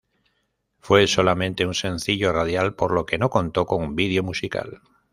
Fue solamente un sencillo radial, por lo que no contó con vídeo musical.